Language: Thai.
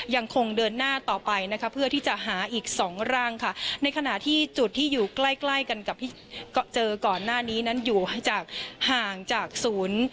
ยังคงเดินหน้าต่อไปนะคะเพื่อที่จะหาอีกสองร่างค่ะในขณะที่จุดที่อยู่ใกล้ใกล้กันกับที่เจอก่อนหน้านี้นั้นอยู่จากห่างจากศูนย์